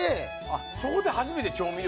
あっそこで初めて調味料。